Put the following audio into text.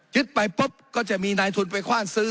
ยึดไปป่ะก็จะมีนายทุนไปขว้านซื้อ